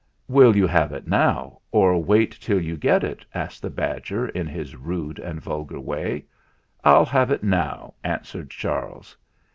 "Will you have it now, or wait till you get it?" asked the badger in his rude and vulgar way. "I'll have it now," answered Charles.